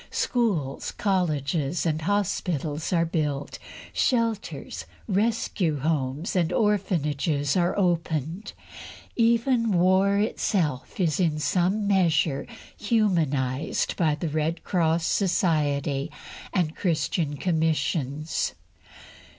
Schools, colleges, and hospitals are built; shelters, rescue homes, and orphanages are opened; even war itself is in some measure humanised by the Red Cross Society and Christian commissions.